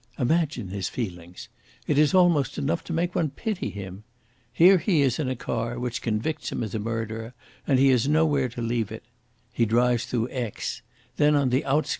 Imagine his feelings! It is almost enough to make one pity him. Here he is in a car which convicts him as a murderer, and he has nowhere to leave it. He drives through Aix.